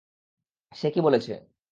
সে কি বলেছে?